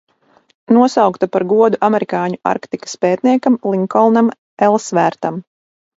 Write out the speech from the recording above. Nosaukta par godu amerikāņu Arktikas pētniekam Linkolnam Elsvērtam.